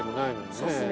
そうですね。